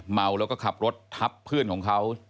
เมาแล้วก็ขับรถทับเพื่อนของเขา